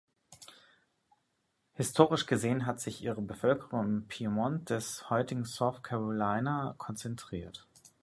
Historisch gesehen hat sich ihre Bevölkerung im Piemont des heutigen South Carolina konzentriert.